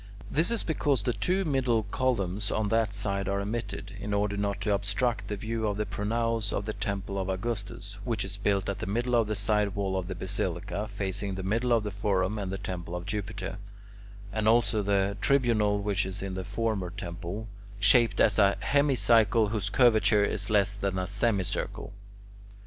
This is because the two middle columns on that side are omitted, in order not to obstruct the view of the pronaos of the temple of Augustus (which is built at the middle of the side wall of the basilica, facing the middle of the forum and the temple of Jupiter) and also the tribunal which is in the former temple, shaped as a hemicycle whose curvature is less than a semicircle.